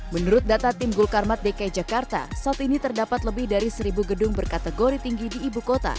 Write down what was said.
menurut data tim gulkarmat dki jakarta saat ini terdapat lebih dari seribu gedung berkategori tinggi di ibu kota